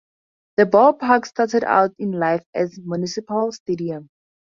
The ballpark started out in life as Municipal Stadium.